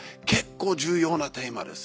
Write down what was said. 結構重要なテーマです。